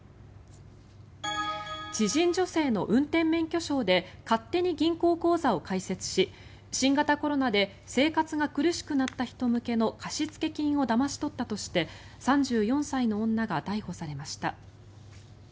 知人女性の運転免許証で勝手に銀行口座を開設し新型コロナで生活が苦しくなった人向けの貸付金をだまし取ったとして３４歳の女が逮捕されました。